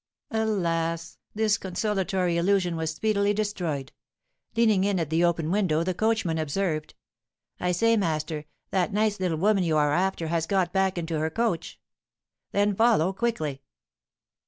Alas! this consolatory illusion was speedily destroyed. Leaning in at the open window the coachman observed: "I say, master, that nice little woman you are after has got back into her coach." "Then follow quickly."